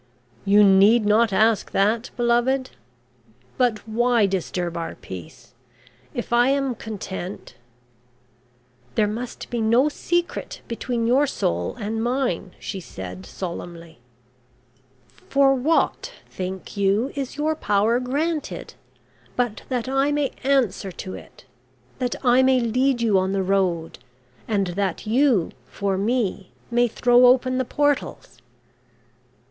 "You need not ask that, beloved? But why disturb our peace? If I am content " "There must be no secret between your soul and mine," she said solemnly. "For what, think you, is your power granted, but that I may answer to it, that I may lead you on the road and that you, for me, may throw open the portals?"